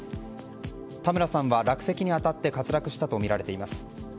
タムラさんは落石に当たって滑落したとみられています。